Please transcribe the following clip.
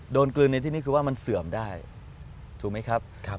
กลืนในที่นี่คือว่ามันเสื่อมได้ถูกไหมครับ